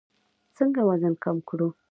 څنګه وزن کم کړو؟